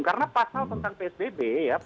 karena pasal tentang psbb